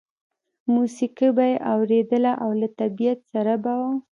موسیقي به یې اورېدله او له طبیعت سره به و